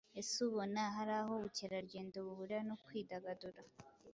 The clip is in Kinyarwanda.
Ese ubona hari aho ubukerarugendo buhurira no kwidagadura.